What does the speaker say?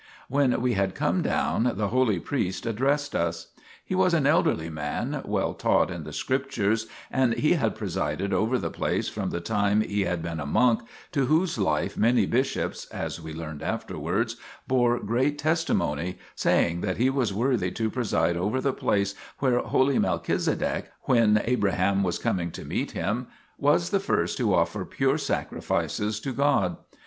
When we had come down the holy priest addressed us. He was an elderly man, well taught in the Scriptures, and he had presided over the place from the time he had been a monk, to whose life many bishops as we learned afterwards bore great testimony, saying that he was worthy to pre side over the place where holy Melchizedek when Abraham was coming to meet him was the first to offer pure sacrifices to God.